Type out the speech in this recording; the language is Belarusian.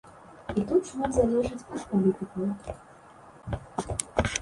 І тут шмат залежыць ад палітыкаў.